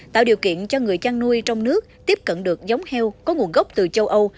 tạo điều kiện cho người chăn nuôi trong nước tiếp cận được giống heo có nguồn gốc từ châu âu